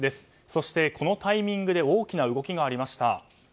そしてこのタイミングで大きな動きがありました。